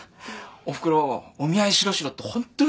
おふくろお見合いしろしろってホントうるさくて。